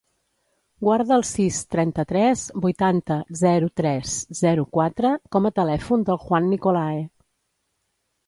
Guarda el sis, trenta-tres, vuitanta, zero, tres, zero, quatre com a telèfon del Juan Nicolae.